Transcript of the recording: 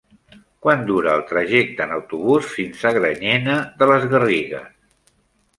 Quant dura el trajecte en autobús fins a Granyena de les Garrigues?